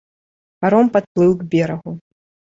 Паром падплыў к берагу.